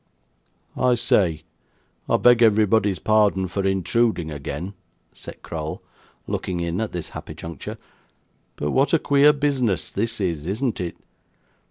'I say! I beg everybody's pardon for intruding again,' said Crowl, looking in at this happy juncture; 'but what a queer business this is, isn't it?